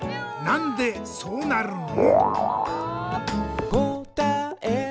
なんでそうなるの？